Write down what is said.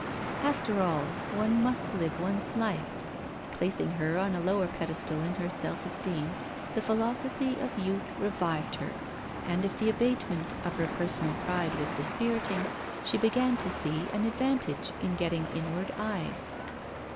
After all, one must live one's life. Placing her on a lower pedestal in her self esteem, the philosophy of youth revived her; and if the abatement of her personal pride was dispiriting, she began to see an advantage in getting inward eyes.